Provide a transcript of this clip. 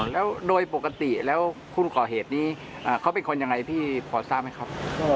แล้วโดยปกติแล้วคุณก่อเหตุนี้เขาเป็นคนยังไงพี่พอทราบไหมครับ